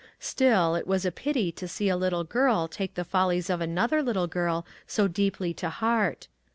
Still, it was a pity to see a little girl take the follies of another little girl so deeply to heart.